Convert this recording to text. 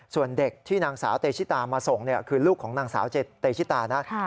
ส่วนเด็กที่นางสาวเตชิตามาส่งคือลูกของนางสาวเตชิตานะ